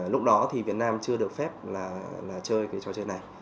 lúc đó thì việt nam chưa được phép là chơi cái trò chơi này